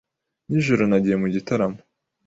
Nijoro nagiye mu gitaramo.